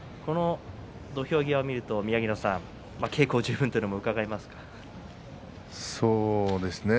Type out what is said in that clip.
土俵際を見ると宮城野さん稽古十分というのもそうですね。